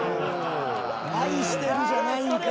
「愛してる」じゃないんか。